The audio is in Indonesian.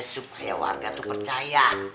supaya warga tuh percaya